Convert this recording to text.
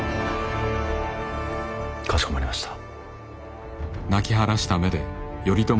かしこまりました。